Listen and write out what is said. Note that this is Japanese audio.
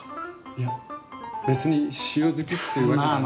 いや別に塩好きってわけでは。